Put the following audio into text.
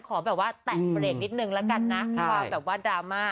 ขอแบบว่าแตะเผลดนิดหนึ่งละกันนะในความแบบว่าดราม่า